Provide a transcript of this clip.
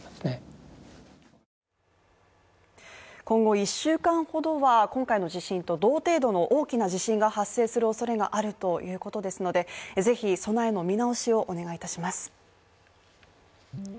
今後、１週間ほどは今回の地震と同程度の大きな地震が発生するおそれがあるということですので是非、備えの見直しをお願いいたします。